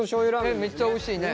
えっめっちゃおいしいね。